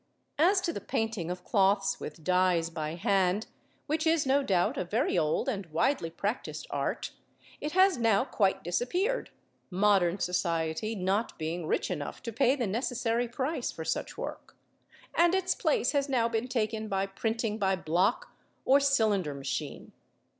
As to the painting of cloths with dyes by hand, which is no doubt a very old and widely practised art, it has now quite disappeared (modern society not being rich enough to pay the necessary price for such work), and its place has now been taken by printing by block or cylinder machine.